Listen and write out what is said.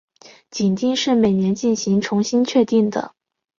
紧盯是每年进行重新确定的。